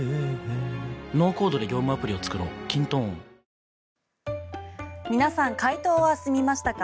メロメロ皆さん、解答は済みましたか？